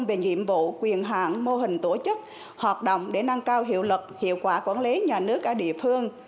về nhiệm vụ quyền hạn mô hình tổ chức hoạt động để nâng cao hiệu lực hiệu quả quản lý nhà nước ở địa phương